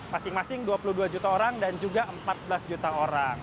masing masing dua puluh dua juta orang dan juga empat belas juta orang